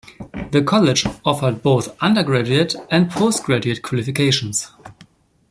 The college offered both under-graduate and post-graduate qualifications.